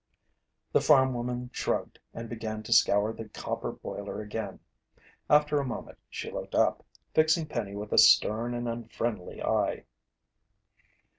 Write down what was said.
The farm woman shrugged and began to scour the copper boiler again. After a moment she looked up, fixing Penny with a stern and unfriendly eye.